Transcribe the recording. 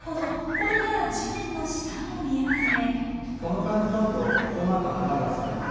これなら地面の下も見えますね。